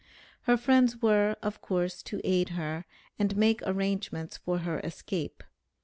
Her friends were, of course, to aid her, and make arrangements for her escape.